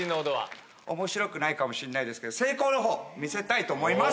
おもしろくないかもしんないですけど、成功のほう、見せたいと思います。